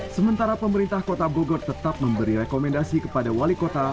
sementara pemerintah kota bogor tetap memberi rekomendasi kepada wali kota